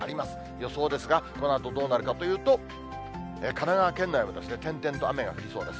予想ですが、このあとどうなるかというと、神奈川県内は点々と雨が降りそうです。